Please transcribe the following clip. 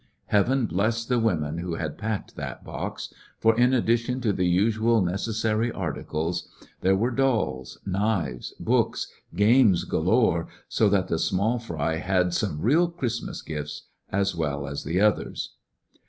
Heaven bless the women who had packed that box ! for, in addition to the usual neces sary articles, there were dolls, knives, books, games galore, so the small fry had some "real Chris'mus gif s " as well as the others.